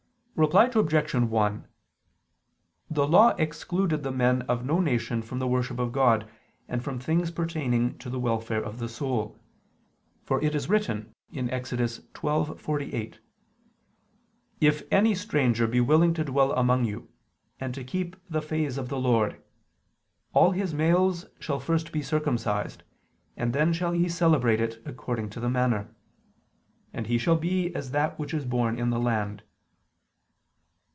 Reply Obj. 1: The Law excluded the men of no nation from the worship of God and from things pertaining to the welfare of the soul: for it is written (Ex. 12:48): "If any stranger be willing to dwell among you, and to keep the Phase of the Lord; all his males shall first be circumcised, and then shall he celebrate it according to the manner, and he shall be as that which is born in the land."